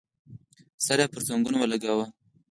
سر يې پر زنګنو ولګاوه.